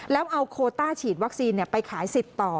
แล้วเอาโคต้าฉีดวัคซีนไปขายสิทธิ์ต่อ